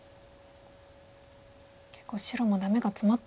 結構白もダメがツマってるんですね。